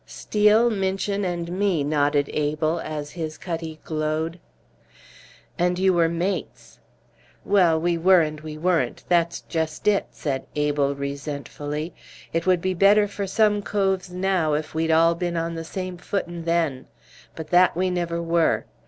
"Steel, Minchin, and me," nodded Abel, as his cutty glowed. "And you were mates!" "Well, we were and we weren't: that's just it," said Abel, resentfully. "It would be better for some coves now, if we'd all been on the same footin' then. But that we never were.